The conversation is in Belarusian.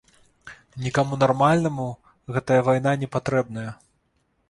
Нікому нармальнаму гэтая вайна не патрэбная.